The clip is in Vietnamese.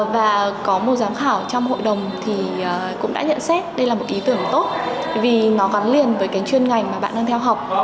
và có một giám khảo trong hội đồng thì cũng đã nhận xét đây là một ý tưởng tốt vì nó gắn liền với cái chuyên ngành mà bạn đang theo học